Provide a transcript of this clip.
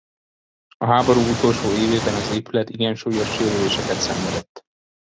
A háború utolsó évében az épület igen súlyos sérüléseket szenvedett.